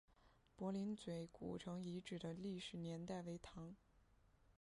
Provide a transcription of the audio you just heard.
柏林嘴古城遗址的历史年代为唐。